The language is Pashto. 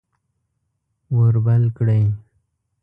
اور بل کړئ